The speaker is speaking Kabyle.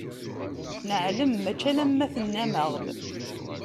Neɛlem, mačči alamma tennam-aɣ-d.